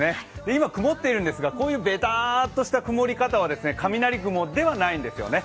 今、曇っているんですがこういうベターッとした雲は雷雲ではないんですよね。